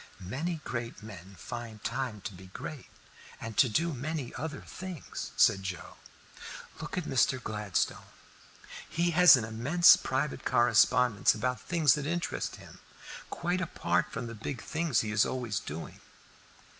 "Many great men find time to be great and to do many other things," said Joe. "Look at Mr. Gladstone; he has an immense private correspondence about things that interest him, quite apart from the big things he is always doing."